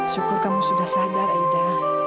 syukur kamu sudah sadar aida